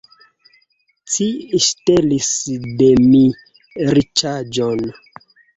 Ci ŝtelis de mi riĉaĵon!